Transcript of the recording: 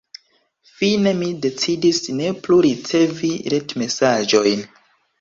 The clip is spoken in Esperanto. Fine mi decidis ne plu ricevi retmesaĝojn.